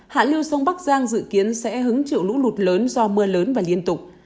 hạ lưu sông bắc giang dự kiến sẽ hứng chịu lũ lụt lớn do mưa lớn và liên tục